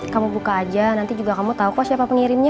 kamu buka aja nanti juga kamu tahu kok siapa pengirimnya